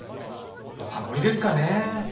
まあサボりですかねえ。